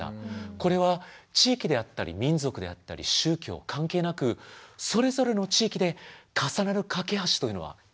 これは地域であったり民族であったり宗教関係なくそれぞれの地域で重なる懸け橋というのは必ず存在している。